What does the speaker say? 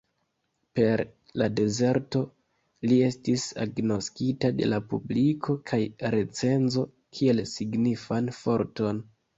Per "La Dezerto" li estis agnoskita de la publiko kaj recenzo kiel signifan forton.